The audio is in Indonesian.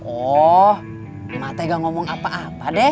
oh emak teh gak ngomong apa apa deh